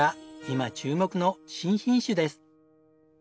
今注目の新品種です。